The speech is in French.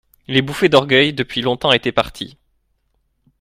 Les bouffées d'orgueil depuis longtemps étaient parties.